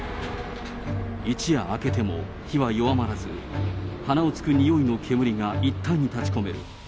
一夜明けても火は弱まらず、鼻をつく臭いの煙が一帯に立ちこめる。